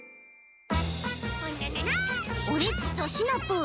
オレっちとシナプー